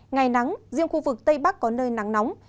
ngày nắng riêng khu vực tây bắc có nơi nắng nóng